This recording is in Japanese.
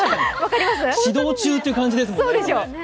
指導中という感じですもんね。